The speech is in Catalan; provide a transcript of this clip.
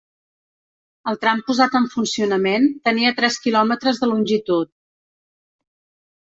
El tram posat en funcionament tenia tres quilòmetres de longitud.